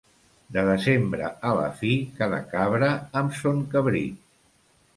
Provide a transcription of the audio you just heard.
De desembre a la fi, cada cabra amb son cabrit.